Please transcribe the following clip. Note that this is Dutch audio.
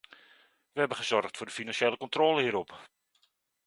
We hebben gezorgd voor de financiële controle hierop.